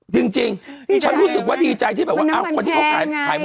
จริงจริงฉันรู้สึกว่าดีใจที่แบบว่าอ้าวคนที่เขาขายขาย